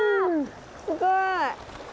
すごい。